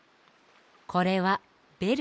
これはベル。